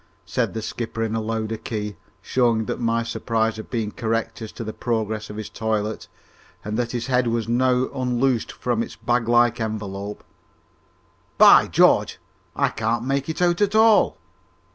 said the skipper in a louder key, showing that my surmise had been correct as to the progress of his toilet, and that his head was now unloosed from its bag like envelope. "By George, I can't make it out at all!"